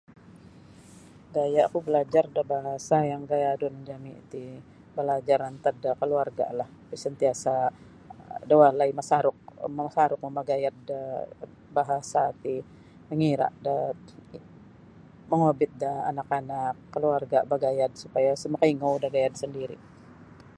Gaya'ku balajar da bahasa yang gayadun jami' ti balajar antad da kaluarga'lah santiasa' da walai masaruk masaruk mamagayad da bahasa ti mangira' da mongobit da anak-anak kaluarga' bagayad supaya sa' makaingou da gayad sandiri'.